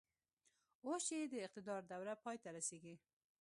اوس چې يې د اقتدار دوره پای ته رسېږي.